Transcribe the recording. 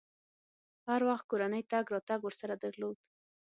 هر وخت کورنۍ تګ راتګ ورسره درلود.